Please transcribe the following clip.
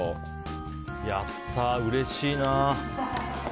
やったー、うれしいな。